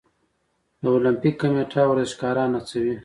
د المپیک کمیټه ورزشکاران هڅوي؟